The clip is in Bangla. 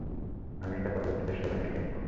আমি এটা পরবর্তীদের স্মরণে রেখেছি।